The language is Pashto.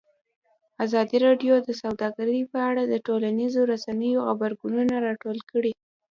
ازادي راډیو د سوداګري په اړه د ټولنیزو رسنیو غبرګونونه راټول کړي.